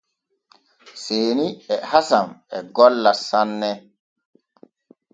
Seeni e Hasan e golla sanne.